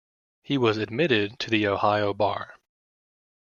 He was admitted to the Ohio bar.